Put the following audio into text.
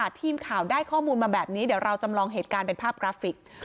ทีมข่าวได้ข้อมูลมาแบบนี้เดี๋ยวเราจำลองเหตุการณ์เป็นภาพกราฟิก